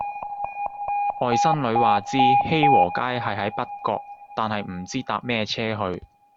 外甥女話知熙和街係喺北角但係唔知搭咩野車去